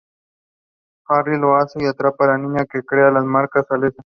Harry lo hace y atrapa a la niña que crea las marcas, Alessa.